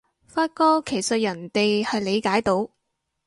發覺其實人哋係理解到